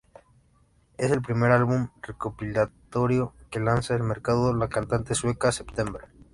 Es el primer álbum recopilatorio que lanza al mercado la cantante sueca September.